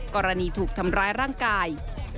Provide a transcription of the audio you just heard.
กรณีถูกทำร้ายร่างกาย